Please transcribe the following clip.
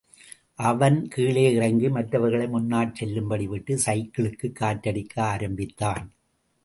அவன் கீழே இறங்கி மற்றவர்களை முன்னால் செல்லும்படி விட்டு சைக்கிளுக்குக் காற்றடிக்க ஆரம்பித்தான்.